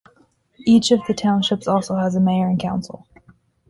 Each of theTownships also has a mayor and Council.